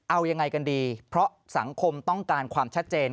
เอายังไงกันดีเพราะสังคมต้องการความชัดเจน